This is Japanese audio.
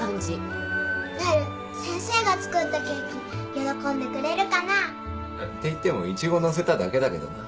なる先生が作ったケーキ喜んでくれるかな？っていってもイチゴのせただけだけどな。